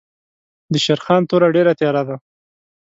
دشېرخان توره ډېره تېره ده.